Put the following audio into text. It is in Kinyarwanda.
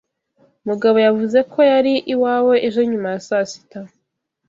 Mugabo yavuze ko yari iwawe ejo nyuma ya saa sita.